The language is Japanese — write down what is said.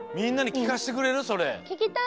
ききたい。